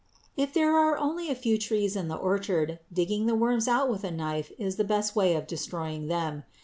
_ If there are only a few trees in the orchard, digging the worms out with a knife is the best way of destroying them.